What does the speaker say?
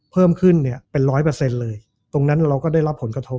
เพิ่มขึ้นเนี่ยเป็นร้อยเปอร์เซ็นต์เลยตรงนั้นเราก็ได้รับผลกระทบ